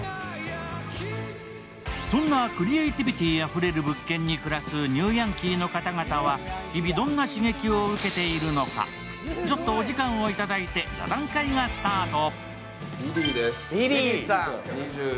そんなクリエーティビティーあふれる物件に暮らすニューヤンキーの方々は日々、どんな刺激を受けているのか、ちょっとお時間をいただいて、座談会がスタート。